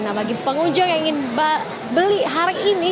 nah bagi pengunjung yang ingin beli hari ini